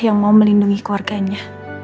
yang mau melindungi keluarganya